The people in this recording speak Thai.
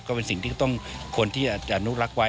ก็เป็นสิ่งที่ต้องควรที่จะอนุรักษ์ไว้